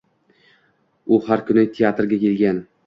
U har kuni teatrga kelgan.